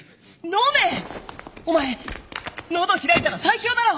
お前喉開いたら最強だろ！